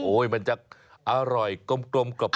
มันจะอร่อยกลมกรอบ